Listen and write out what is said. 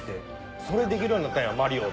「それできるようになったんやマリオ」って。